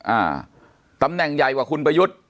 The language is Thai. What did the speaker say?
อ่าตำแหน่งใหญ่กว่าคุณประยุทธ์